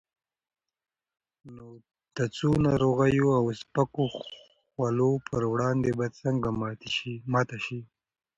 نو د څو ناروغو او سپکو خولو پر وړاندې به څنګه ماته شي؟